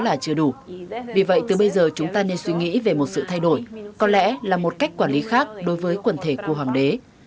là chưa đủ vì vậy từ bây giờ chúng ta nên suy nghĩ về một sự thay đổi có lẽ là một cách quản lý khác đối với quần thể cua hoàng đế